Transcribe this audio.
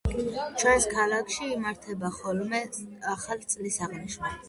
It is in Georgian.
ჩვენს ქალაქში იმართება ხოლმე ახალი წლის აღნიშვნა.